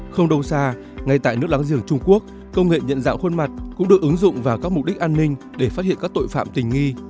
không đâu xa ngay tại nước láng giềng trung quốc công nghệ nhận dạng khuôn mặt cũng được ứng dụng vào các mục đích an ninh để phát hiện các tội phạm tình nghi